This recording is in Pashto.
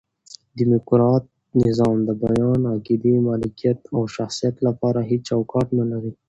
ډیموکرات نظام د بیان، عقیدې، ملکیت او شخصیت له پاره هيڅ چوکاټ نه لري.